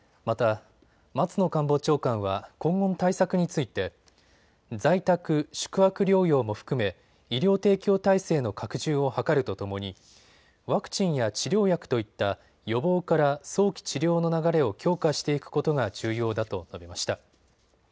また、松野官房長官は今後の対策について在宅、宿泊療養も含め医療提供体制の拡充を図るとともにワクチンや治療薬といった予防から早期治療の流れを強化していくことが重要だと述べました。